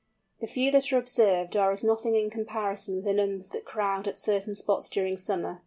The few that are observed are as nothing in comparison with the numbers that crowd at certain spots during summer.